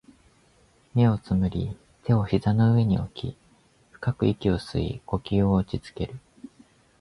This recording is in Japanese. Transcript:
目を瞑り、手を膝の上に置き、深く息を吸い、呼吸を落ち着ける